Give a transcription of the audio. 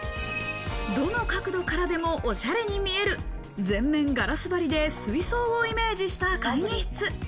どの角度からでも、おしゃれに見える全面ガラス張りで水槽をイメージした会議室。